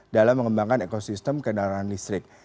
dalam mengembangkan ekosistem kendaraan listrik